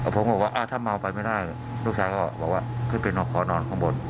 ผมบอกว่าถ้าเมาไปไม่ได้ลูกชายก็บอกว่าขึ้นไปขอนอนข้างบน